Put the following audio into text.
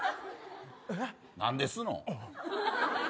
何ですのん。